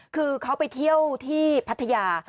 คือเขาไปเที่ยวที่พัทยา